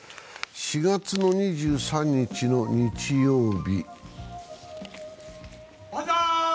４月２３日の日曜日。